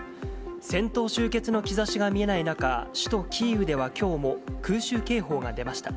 戦闘終結の兆しが見えない中、首都キーウではきょうも空襲警報が出ました。